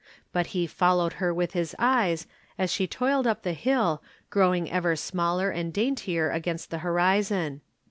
But he followed her with his eyes as she toiled up the hill, growing ever smaller and daintier against the horizon.